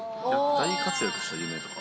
大活躍した夢とか。